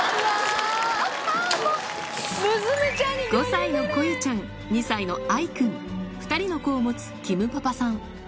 ５歳のこゆちゃん２歳のあい君２人の子を持つキムパパさん